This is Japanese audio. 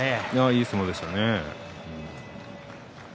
いい相撲でしたね。